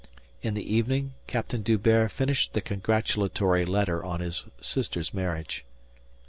In the evening, Captain D'Hubert finished the congratulatory letter on his sister's marriage.